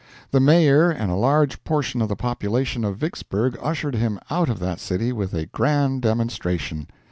The Mayor and a large portion of the population of Vicksburg ushered him out of that city with a grand demonstration.